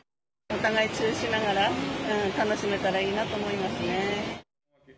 お互い注意しながら、楽しめたらいいなと思いますね。